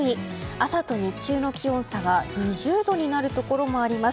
朝と日中の気温差が２０度になるところもあります。